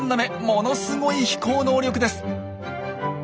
ものすごい飛行能力です。